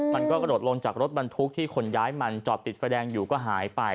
มันก็กระโดดลงจากรถบรรทุกที่ขนย้ายมันจอดติดไฟแดงอยู่ก็หายไป